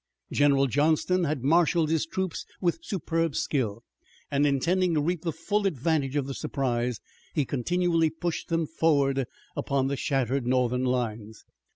General Johnston had marshalled his troops with superb skill, and intending to reap the full advantage of the surprise, he continually pushed them forward upon the shattered Northern lines.